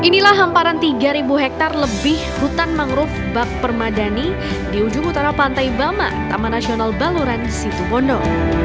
inilah hamparan tiga hektare lebih hutan mangrove bak permadani di ujung utara pantai bama taman nasional baluran situbondo